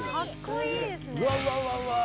うわうわうわうわー！